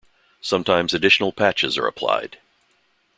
Sometimes additional patches are applied.